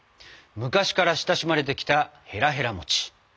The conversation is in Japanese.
昔から親しまれてきたへらへら餅。